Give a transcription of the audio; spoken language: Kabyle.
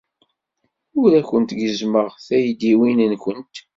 Ur awent-gezzmeɣ taydiwin-nwent.